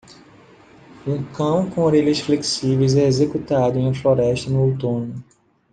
Um cão com orelhas flexíveis é executado em uma floresta no outono.